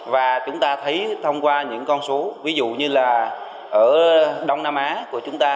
và chúng ta thấy thông qua những con số ví dụ như là ở đông nam á của chúng ta